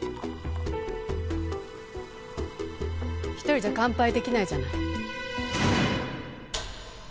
１人じゃ乾杯できないじゃない。